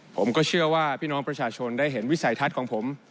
ผมก็เชื่อว่าพี่น้องประชาชนได้เห็นวิสัยทัศน์ของผม